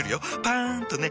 パン！とね。